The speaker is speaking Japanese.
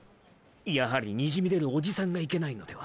やはりにじみ出るおじさんがいけないのでは。